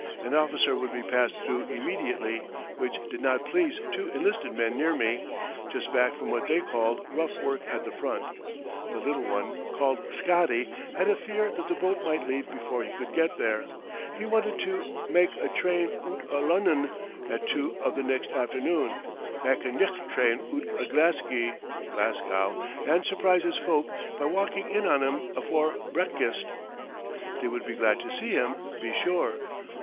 An officer would be passed through immediately, which did not please two enlisted men near me, just back from what they called rough work at the front. The little one, called Scotty, had a fear that the boat might leave before he could get there. He wanted to "mak' a train oot o' Lunnon" at two of the next afternoon, "mak' a nicht train oot o' Glesgie" (Glasgow) and surprise his folk by walking in on 'em "afore brekkist." They would be glad to see him, be sure.